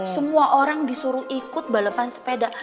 semua orang disuruh ikut balapan sepeda